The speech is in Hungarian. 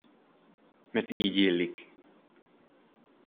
Mert így illik.